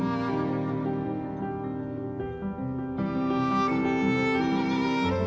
agar tidak terjadi keguguran